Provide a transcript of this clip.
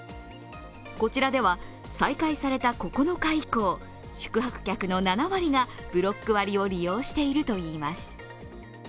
こちらでは再開された９日以降、宿泊客の７割がブロック割を利用しているといいます。